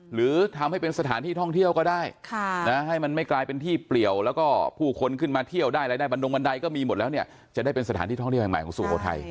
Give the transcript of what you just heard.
หรือทำให้เป็นสถานที่ท่องเที่ยวก็ได้ให้มันไม่กลายเป็นที่เปลี่ยวแล้วก็ผู้คนขึ้นมาเที่ยวได้รายได้บันดงบันไดก็มีหมดแล้วเนี่ยจะได้เป็นสถานที่ท่องเที่ยวแห่งใหม่ของสุโขทัย